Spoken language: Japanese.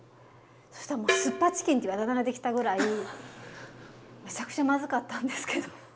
そしたらもう酢っぱチキンっていうあだ名ができたぐらいめちゃくちゃまずかったんですけど。